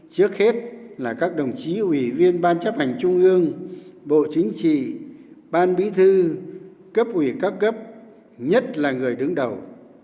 trước hết là các đồng chí ủy viên ban chấp hành trung ương bộ chính trị ban bí thư cấp ủy các cấp nhất là người đứng đầu